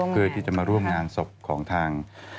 เพื่อที่จะมาร่วมงานศพของทาง